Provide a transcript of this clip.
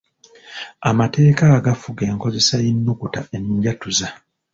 Amateeka agafuga enkozesa y’ennukuta enjatuza.